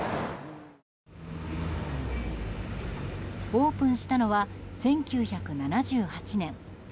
オープンしたのは１９７８年。